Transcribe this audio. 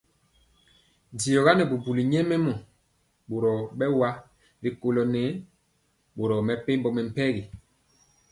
Diɔga nɛ bubuli nyɛmemɔ bori bɛwa rikolo nɛɛ boro mepempɔ mɛmpegi.